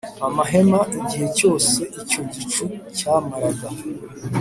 amahema Igihe cyose icyo gicu cyamaraga